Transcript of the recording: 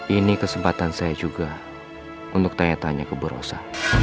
ini kesempatan saya juga untuk tanya tanya ke bu rosa